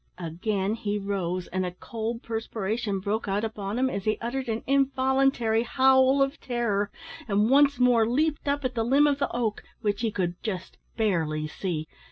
Again he rose, and a cold perspiration broke out upon him as he uttered an involuntary howl of terror, and once more leaped up at the limb of the oak, which he could just barely see.